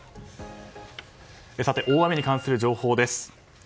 大雨に関する情報です。